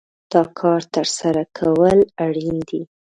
دا کار ترسره کول اړين دي.